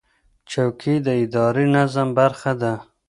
چوکۍ د اداري نظم برخه ده.